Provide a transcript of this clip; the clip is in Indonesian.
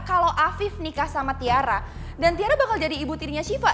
kalau afif nikah sama tiara dan tiara bakal jadi ibu tirinya shiva